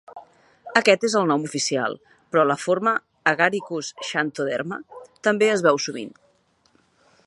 Aquest és el nom oficial, però la forma "Agaricus xanthoderma" també es veu sovint.